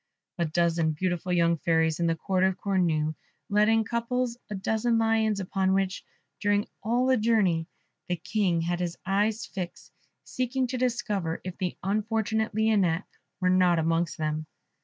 A dozen beautiful young fairies of the Court of Cornue, led in couples a dozen lions, upon which, during all the journey, the King had his eyes fixed, seeking to discover if the unfortunate Lionette were not amongst them.